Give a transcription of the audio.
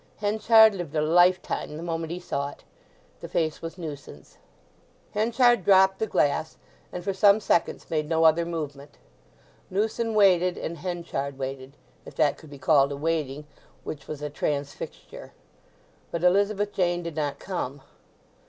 Henchard lived a lifetime the moment he saw it. The face was Newson's. Henchard dropped the glass, and for some seconds made no other movement. Newson waited, and Henchard waited—if that could be called a waiting which was a transfixture. But Elizabeth Jane did not come.